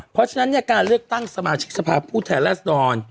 เพราะฉะนั้นเนี่ยการเลือกตั้งสมาชิกสภาพผู้แทนรัศดร